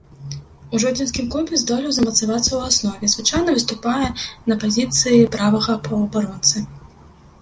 У жодзінскім клубе здолеў замацавацца ў аснове, звычайна выступае на пазіцыі правага паўабаронцы.